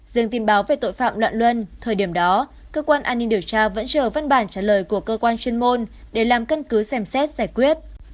riêng tin báo về tội phạm loạn luân thời điểm đó cơ quan an ninh điều tra vẫn chờ văn bản trả lời của cơ quan chuyên môn để làm căn cứ xem xét giải quyết